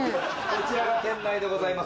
こちらが店内でございます